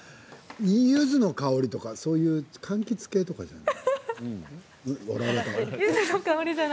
ゆずの香りとかかんきつ系とかじゃないかな。